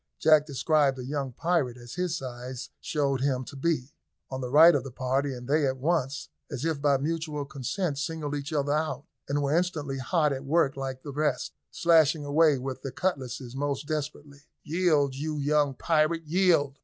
Jack descried a young pirate, as his size showed him to be, on the right of the party, and they at once, as if by mutual consent, singled each other out, and were instantly hot at work like the rest, slashing away with their cutlasses most desperately. "Yield, you young pirate, yield!"